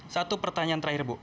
satu pertanyaan terakhir bu